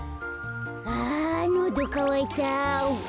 あのどかわいた。